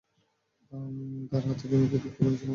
তাঁর হাতে চুমু খেয়ে ভিক্ষা করেছিলাম আমি।